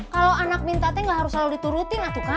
kalau anak minta teh gak harus selalu diturutin atuh kak